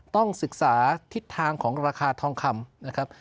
ต้องศึกษาทิศทางของราคาทองคำ